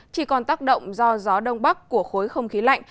chỉ còn tác động do gió đông bắc của khối không khí lạnh